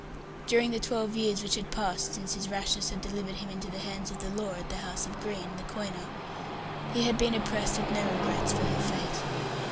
During the twelve years which had passed since his rashness had delivered him into the hands of the law at the house of Green, the coiner, he had been oppressed with no regrets for her fate.